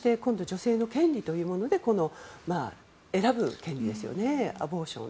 女性の権利というもので選ぶ権利ですよね。